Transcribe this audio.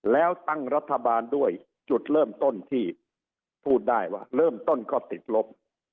แล้วตั้งรัฐบาลด้วยจุดเริ่มต้นที่พูดได้ว่าเริ่มต้นก็ติดลบ